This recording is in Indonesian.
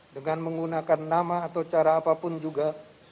dengan menggunakan nama atau cara apapun juga